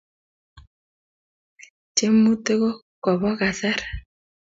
tyemutik ko Kobo kasar